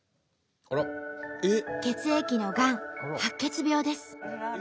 血液のがん白血病です。